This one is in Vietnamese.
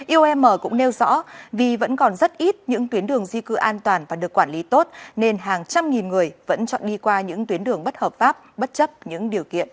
iom cũng nêu rõ vì vẫn còn rất ít những tuyến đường di cư an toàn và được quản lý tốt nên hàng trăm nghìn người vẫn chọn đi qua những tuyến đường bất hợp pháp bất chấp những điều kiện